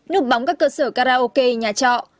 nụ bóng các cơ sở karaoke nhà trọ